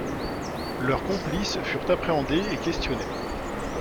Leurs complices furent appréhendés et questionnés.